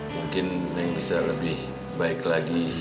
mungkin yang bisa lebih baik lagi